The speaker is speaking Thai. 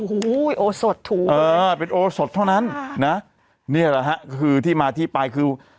โอ้โหโอสดถูกเออเป็นโอสดเท่านั้นนะนี่แหละฮะคือที่มาที่ไปคือ